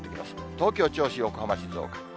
東京、銚子、横浜、静岡。